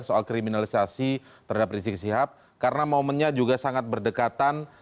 soal kriminalisasi terhadap rizik sihab karena momennya juga sangat berdekatan